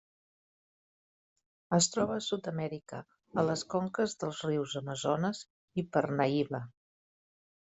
Es troba a Sud-amèrica, a les conques dels rius Amazones i Parnaíba.